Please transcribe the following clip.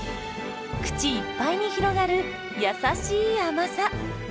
口いっぱいに広がる優しい甘さ。